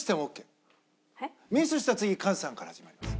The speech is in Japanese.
ミスしたら次カズさんから始まります。